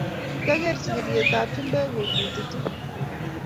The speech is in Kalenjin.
Kyageer sigiryetab chumbek kochuti tuguk